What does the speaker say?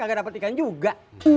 gak dapat ikan juga